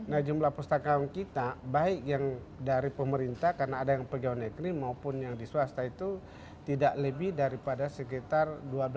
nah jumlah pustakawan kita baik yang dari pemerintah karena ada yang pegawai negeri maupun yang di swasta itu tidak lebih daripada sekitar dua belas